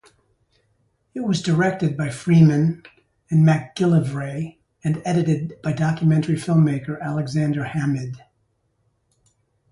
It was directed by Freeman and MacGillivray, and edited by documentary filmmaker Alexander Hammid.